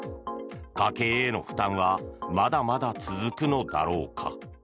家計への負担はまだまだ続くのだろうか。